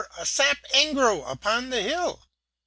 the sap engro upon the hill!"